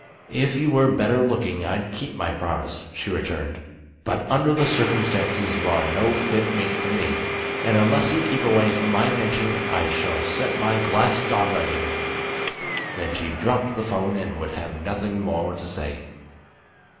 "If you were better looking I'd keep my promise," she returned. "But under the circumstances you are no fit mate for me, and unless you keep away from my mansion I shall set my glass dog on you!" Then she dropped the 'phone and would have nothing more to say.